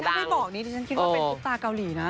ถ้าไม่บอกนี้ดิฉันคิดว่าเป็นซุปตาเกาหลีนะ